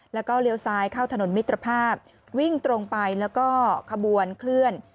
แล้วก็เลี้ยวซ้ายเข้าถนนมิตรภาพวิ่งตรงไปแล้วก็ขบวนเคลื่อน